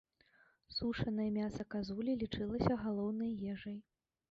Сушанае мяса казулі лічылася галоўнай ежай.